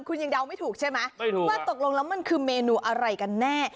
คุณยังเดาไม่ถูกใช่ไหมว่าตกลงแล้วมันคือเมนูอะไรกันแน่